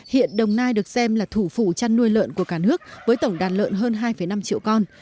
hiện đồng nai được xem là thủ phủ chăn nuôi lợn của cả nước với tổng đàn lợn hơn hai năm triệu con